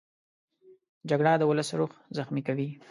جګړه د ولس روح زخمي کوي